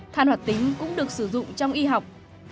than hoạt tính cũng được sử dụng trong y học